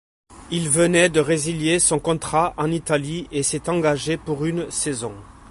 Il venait de résilier son contrat en Italie et s'est engagé pour une saison.